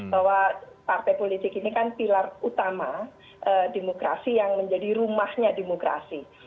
bahwa partai politik ini kan pilar utama demokrasi yang menjadi rumahnya demokrasi